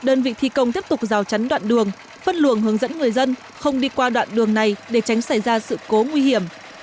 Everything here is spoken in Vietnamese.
đơn vị thi công tiếp tục rào chắn đoạn đường phân luồng hướng dẫn người dân không đi qua đoạn đường này để tránh xảy ra sự cố nguy hiểm